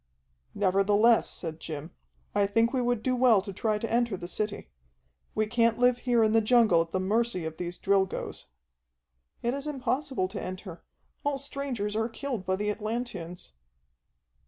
"Nevertheless," said Jim, "I think we would do well to try to enter the city. We can't live here in the jungle at the mercy of these Drilgoes." "It is impossible to enter. All strangers are killed by the Atlanteans."